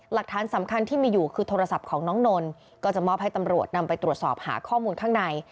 หลักฐานสำคัญที่มีอยู่คือโทรศัพท์ของน้องนนท์ก็จะมอบให้ตำรวจนำไปตรวจสอบหาข้อมูลข้างใน